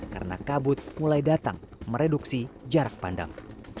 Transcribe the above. karena kabut mulai datang mereduksi jarak pandang